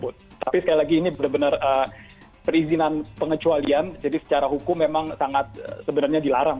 tapi sekali lagi ini benar benar perizinan pengecualian jadi secara hukum memang sangat sebenarnya dilarang